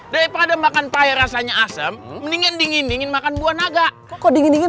daripada makan payah rasanya asem mendingin dingin dingin makan buah naga kok dingin dingin